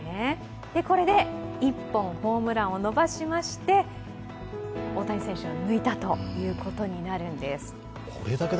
これで１本ホームランを伸ばしまして大谷選手を抜いたということになるんです。